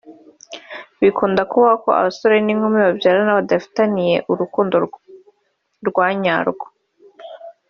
bikunda ubaho ko abasore n’inkumi babyarana hadafitaniye urukundo rwa nyarwo